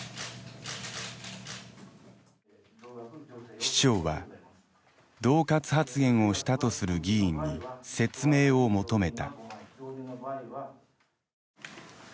市長は恫喝発言をしたとする議員に説明を求めた。